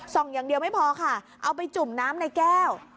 อย่างเดียวไม่พอค่ะเอาไปจุ่มน้ำในแก้ว